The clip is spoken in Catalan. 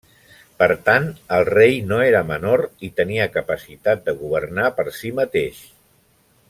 Per tant, el rei no era menor i tenia capacitat de governar per si mateix.